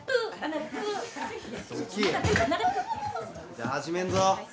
じゃあ始めんぞ。